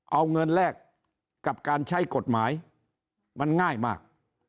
เอาเงินแลกกับการใช้กฎหมายมันง่ายมาก